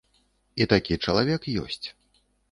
І такі чалавек ёсць.